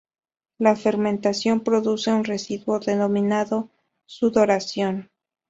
La fermentación produce un residuo, denominado "sudoración".